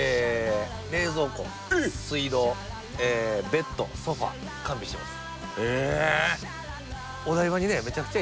冷蔵庫水道ベッドソファー完備してます